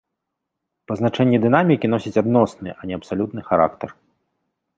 Пазначэнні дынамікі носяць адносны, а не абсалютны характар.